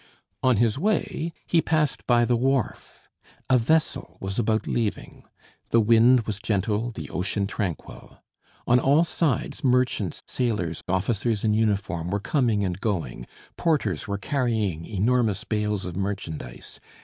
On his way, he passed by the wharf. A vessel was about leaving; the wind was gentle, the ocean tranquil. On all sides, merchants, sailors, officers in uniform were coming and going. Porters were carrying enormous bales of merchandise.